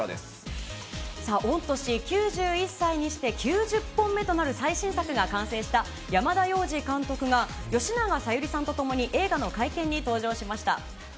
さあ、御年９１歳にして９０本目となる最新作が完成した山田洋次監督が、吉永小百合さんとともに映画の会見に登場しました。